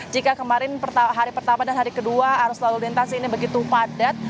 jika kemarin hari pertama dan hari kedua arus lalu lintas ini begitu padat